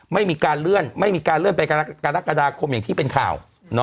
ไม่มีการเลื่อนไม่มีการเลื่อนไปกรกฎาคมอย่างที่เป็นข่าว